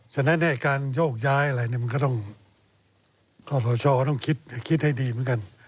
ฉะนั้นการโยกย้ายอะไรมันก็ต้องขอประชาก็ต้องคิดให้ดีเหมือนกัน